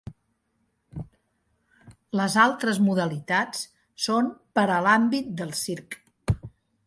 Les altres modalitats són per a l'àmbit del circ.